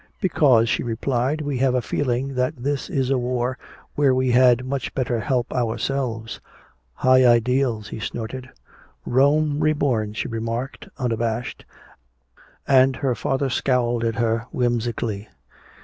"Because," she replied, "we have a feeling that this is a war where we had much better help ourselves." "High ideals," he snorted. "Rome reborn," she remarked, unabashed. And her father scowled at her whimsically.